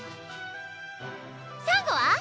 さんごは？